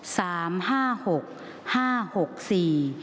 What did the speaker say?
สามห้าหกห้าหกสี่